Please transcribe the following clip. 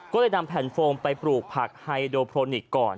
ก็เลยนำแผ่นโฟมไปปลูกผักไฮโดโพรนิคก่อน